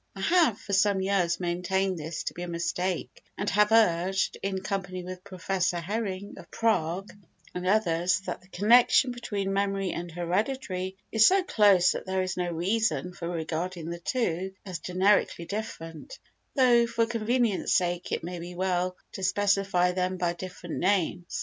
I have for some years maintained this to be a mistake and have urged, in company with Professor Hering, of Prague, and others, that the connection between memory and heredity is so close that there is no reason for regarding the two as generically different, though for convenience sake it may be well to specify them by different names.